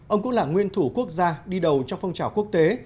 ông cũng là nguyên thủ quốc gia đi đầu trong phong trào quốc tế